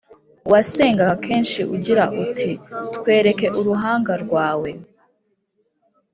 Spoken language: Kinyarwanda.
wasengaga kenshi ugirauti: “twereke uruhanga rwawe